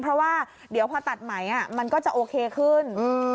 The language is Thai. เพราะว่าเดี๋ยวพอตัดไหมมันก็จะโอเคขึ้น